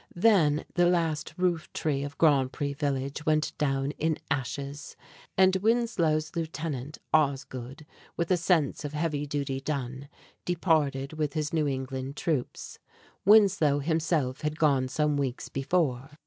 Then the last roof tree of Grand Pré village went down in ashes; and Winslow's lieutenant, Osgood, with a sense of heavy duty done, departed with his New England troops. Winslow himself had gone some weeks before.